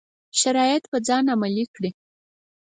شرایط په ځان عملي کړي.